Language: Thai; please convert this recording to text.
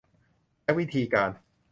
และวิธีการ